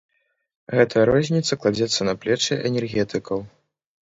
Гэтая розніца кладзецца на плечы энергетыкаў.